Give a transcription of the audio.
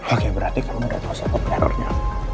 oke berarti kamu udah tau siapa penerornya